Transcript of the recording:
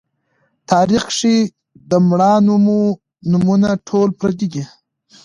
تاریخ کښې د مــړانو مـو نومــونه ټول پردي دي